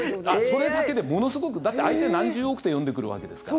それだけでものすごくだって相手、何十億手読んでくるわけですから。